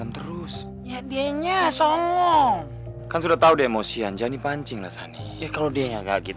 terus cari apsal sampai kita bertemu lagi